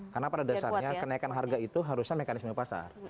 karena pada dasarnya kenaikan harga itu harusnya mekanisme pasar